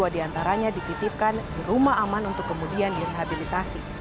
enam puluh dua diantaranya dikitifkan di rumah aman untuk kemudian direhabilitasi